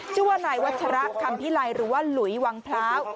ชั่วนายวัฒระคัมภิลัยหรือว่าหลุยวังพร้าว